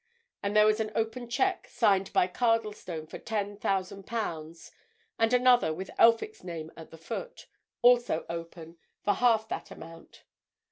And there was an open cheque, signed by Cardlestone for ten thousand pounds, and another, with Elphick's name at the foot, also open, for half that amount.